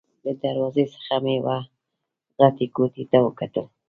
له دروازې څخه مې وه غټې کوټې ته وکتل.